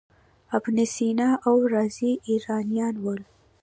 ابن سینا او رازي ایرانیان وو.